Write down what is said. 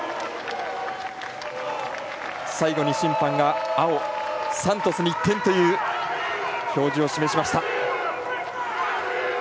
最後に審判が青、サントスに１点という表示を示しました。